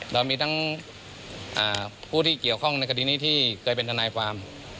เรามีทั้งผู้ที่เกี่ยวข้องในคดีนี้ที่เคยเป็นทนายความ